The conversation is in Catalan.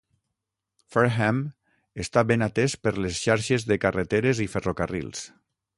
Fareham està ben atès per les xarxes de carreteres i ferrocarrils.